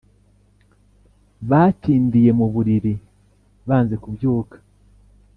Batindiye mu buriri banze kubyuka